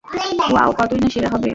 Wow, কতই না সেরা হবে?